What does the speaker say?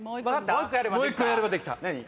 もう１個やればできた。